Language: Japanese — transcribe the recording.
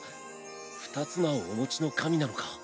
二つ名をお持ちの神なのか。